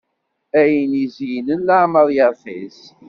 Ayen izeynen leɛmeṛ yeṛxis.